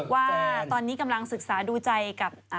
ว่าตอนนี้กำลังศึกษาดูใจกับ